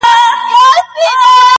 هم له جنډۍ- هم زیارتونو سره لوبي کوي-